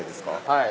はい。